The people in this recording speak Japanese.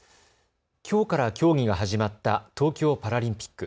きょうから競技が始まった東京パラリンピック。